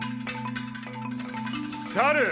猿！